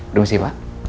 udah mesti pak